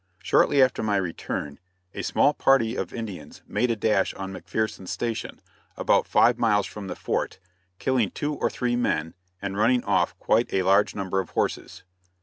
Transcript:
Shortly after my return, a small party of Indians made a dash on McPherson Station, about five miles from the fort, killing two or three men and running off quite a large number of horses.